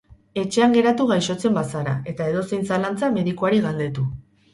Etxean geratu gaixotzen bazara eta edozein zalantza medikuari galdetu.